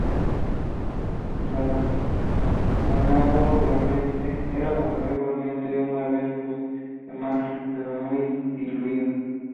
El abonado igualmente una vez por semana, pero muy diluido.